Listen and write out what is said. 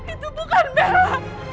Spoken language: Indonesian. itu bukan bella